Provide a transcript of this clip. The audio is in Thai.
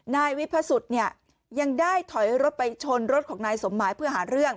นายวิพสุทธิ์เนี่ยยังได้ถอยรถไปชนรถของนายสมหมายเพื่อหาเรื่อง